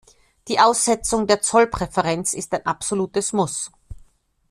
Die Aussetzung der Zollpräferenz ist ein absolutes Muss.